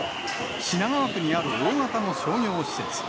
品川区にある大型の商業施設。